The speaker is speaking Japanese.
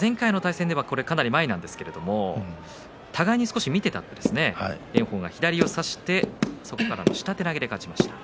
前回の対戦ではこれはかなり前で互いに少し見て立って炎鵬が左を差してそこから下手投げで勝ちました。